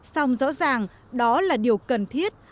xong rõ ràng đó là điều cần thiết